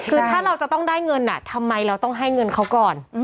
คือถ้าเราจะต้องได้เงินทำไมเราต้องให้เงินเขาก่อน